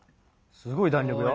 すごい弾力よ。